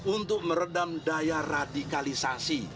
untuk meredam daya radikalisasi